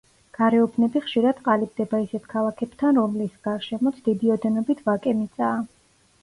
გარეუბნები ხშირად ყალიბდება ისეთ ქალაქებთან, რომლის გარშემოც დიდი ოდენობით ვაკე მიწაა.